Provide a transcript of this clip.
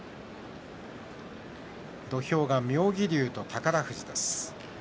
土俵が妙義龍と宝富士です。